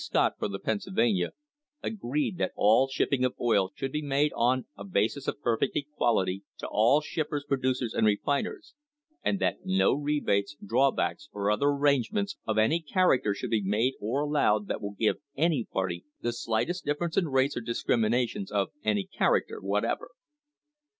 Scott for the Pennsylvania, agreed that all shipping of oil should be made on "a basis of perfect equality to all shippers, producers, and refiners, and that no rebates, drawbacks, or other arrangements of any character shall be made or allowed that will give any party the slightest difference in rates or discriminations of any character what ever."